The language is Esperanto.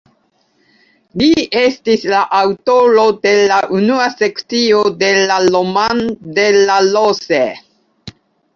Li estis la aŭtoro de la unua sekcio de la "Roman de la Rose".